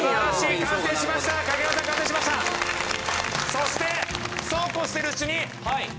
そしてそうこうしてるうちに。